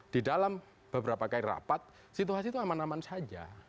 di dalam beberapa kali rapat situasi itu aman aman saja